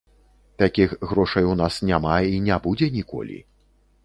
Такіх грошай у нас няма, і не будзе ніколі.